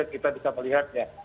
kita bisa melihatnya